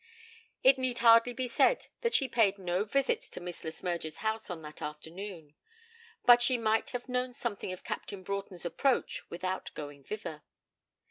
It need hardly be said that she paid no visit to Miss Le Smyrger's house on that afternoon; but she might have known something of Captain Broughton's approach without going thither.